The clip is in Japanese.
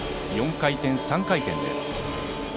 ４回転、３回転です。